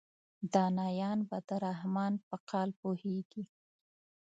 دانایان به د رحمان په قال پوهیږي.